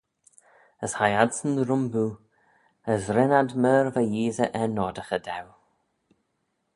As hie adsyn rhymboo, as ren ad myr va Yeesey er noardaghey daue.